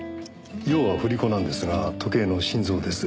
要は振り子なんですが時計の心臓です。